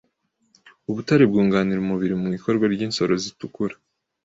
Ubutare bwunganira umubiri mu ikorwa ry’insoro zitukura